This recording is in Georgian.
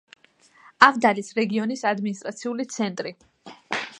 ავდალის რეგიონის ადმინისტრაციული ცენტრი.